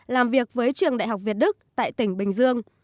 làm việc với trường đại học việt đức tại tỉnh bình dương